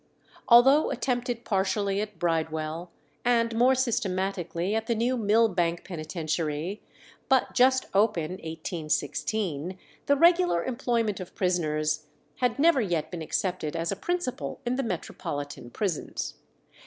Although attempted partially at Bridewell, and more systematically at the new Millbank penitentiary, but just open (1816), the regular employment of prisoners had never yet been accepted as a principle in the metropolitan prisons.